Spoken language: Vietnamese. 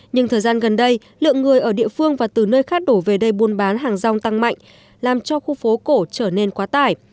nhưng thời gian gần đây lượng người ở địa phương và từ nơi khác đổ về đây buôn bán hàng rong tăng mạnh làm cho khu phố cổ trở nên quá tải